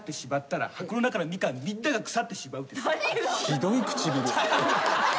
ひどい唇。